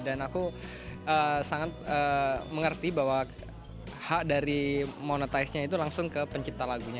dan aku sangat mengerti bahwa hak dari monetizernya itu langsung ke pencipta lagunya